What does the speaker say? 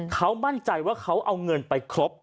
เขามั่นใจว่าเขาเอาเงินไปครบ